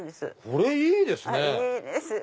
これいいですね！